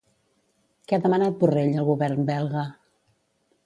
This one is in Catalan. Què ha demanat Borrell al govern belga?